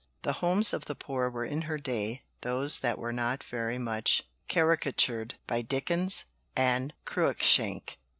The homes of the poor were in her day those that were not very much caricatured by Dickens and Cruickshank.